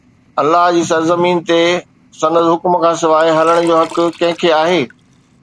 الله جي زمين تي سندس حڪم کان سواءِ هلڻ جو حق ڪنهن کي آهي؟